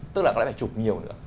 tức là có lẽ phải chụp nhiều nữa